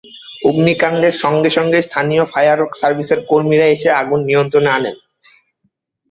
অগ্নিকাণ্ডের সঙ্গে সঙ্গেই স্থানীয় ফায়ার সার্ভিসের কর্মীরা এসে আগুন নিয়ন্ত্রণে আনেন।